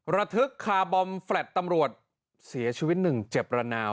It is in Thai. ระทึกคาร์บอมแฟลต์ตำรวจเสียชีวิตหนึ่งเจ็บระนาว